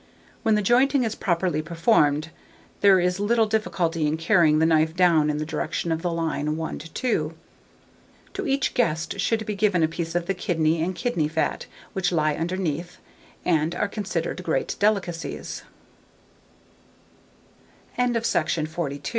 When the jointing is properly performed, there is little difficulty in carrying the knife down in the direction of the line 1 to 2. To each guest should be given a piece of the kidney and kidney fat, which lie underneath, and are considere